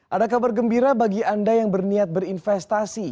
ada kabar gembira bagi anda yang berniat berinvestasi